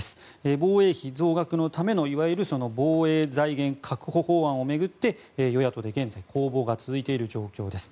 防衛費増額のための防衛財源確保法案を巡って与野党で現在攻防が続いている状況です。